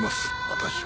私は。